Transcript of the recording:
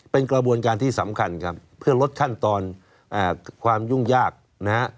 เป็นกระบวนการที่สำคัญครับเพื่อลดขั้นตอนความยุ่งยากนะฮะ